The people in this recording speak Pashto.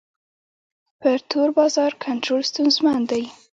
پر تور بازار کنټرول ستونزمن دی.